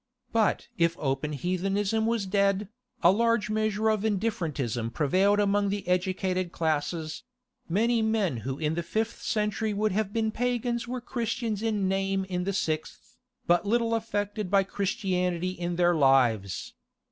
But if open heathenism was dead, a large measure of indifferentism prevailed among the educated classes: many men who in the fifth century would have been pagans were Christians in name in the sixth, but little affected by Christianity in their lives.